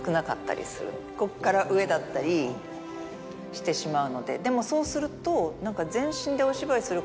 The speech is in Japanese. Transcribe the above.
してしまうのででもそうすると何か。